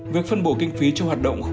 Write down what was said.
việc phân bổ kinh phí cho hoạt động khoa học